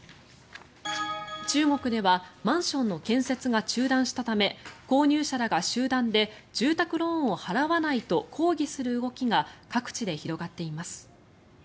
中国ではマンションの建設が中断したため購入者らが集団で住宅ローンを払わないと抗議する動きが各地で広がっています。